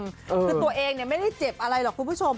คือตัวเองไม่ได้เจ็บอะไรหรอกคุณผู้ชม